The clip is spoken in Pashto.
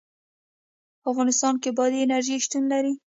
په افغانستان کې بادي انرژي شتون لري.